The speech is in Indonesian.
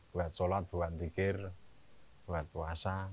buat sholat buat zikir buat puasa